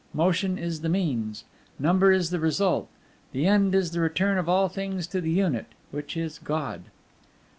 Motion is the means; Number is the result. The end is the return of all things to the Unit, which is God.